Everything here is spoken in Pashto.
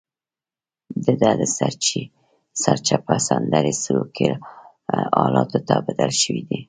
دده د سرچپه سندرې سروکي حالاتو ته بدل شوي دي.